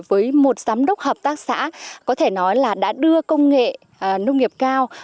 với một giám đốc hợp tác xã có thể nói là đã đưa công nghệ nông nghiệp cao